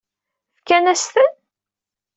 Fkan-as-ten?